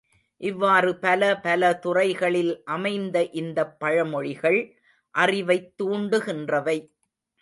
இவ்வாறு பல பல துறைகளில் அமைந்த இந்தப் பழமொழிகள் அறிவைத் தூண்டுகின்றவை.